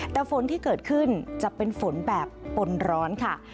แต่ฝนที่เกิดขึ้นจะเป็นฝนแบบปนร้อนค่ะ